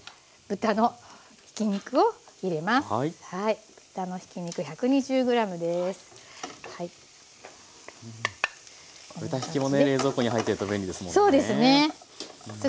豚ひきもね冷蔵庫に入ってると便利ですもんね。